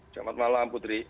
selamat malam putri